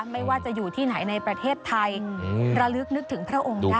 ไม่ว่าจะอยู่ที่ไหนในประเทศไทยระลึกนึกถึงพระองค์ได้